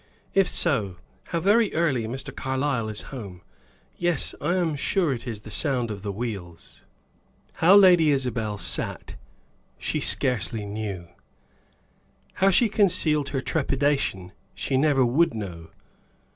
"If so, how very early Mr. Carlyle is home! Yes, I am sure it is the sound of the wheels." How Lady Isabel sat she scarcely knew; how she concealed her trepidation she never would know.